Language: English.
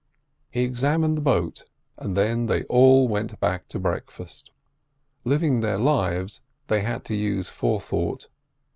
He examined the boat, and then they all went back to breakfast. Living their lives, they had to use forethought.